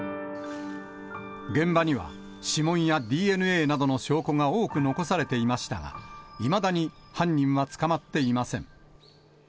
現場には、指紋やＤＮＡなどの証拠が多く残されていましたが、いまだに犯人は捕まっていません。